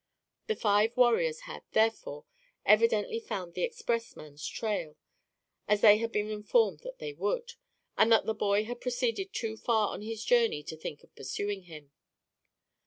The five warriors had, therefore, evidently found the expressman's trail, as they had been informed that they would, and that the boy had proceeded too far on his journey to think of pursuing him.